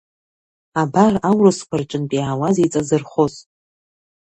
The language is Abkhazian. Абар аурысқәа рҿынтә иаауаз еиҵазырхоз.